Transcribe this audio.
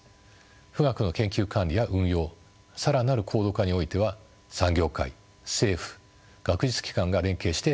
富岳の研究管理や運用更なる高度化においては産業界政府学術機関が連携して取り組んでいます。